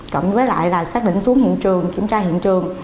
cộng với lại là xác định xuống hiện trường kiểm tra hiện trường